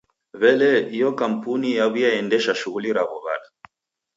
W'ele iyo kampuni yaw'iaendesha shughuli raw'o w'ada?